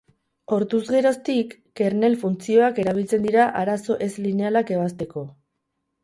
Orduz geroztik, kernel funtzioak erabiltzen dira arazo ez-linealak ebazteko.